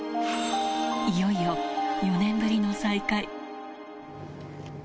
いよいよ、４年ぶりの再会。